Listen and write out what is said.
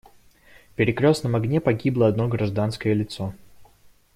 В перекрёстном огне погибло одно гражданское лицо.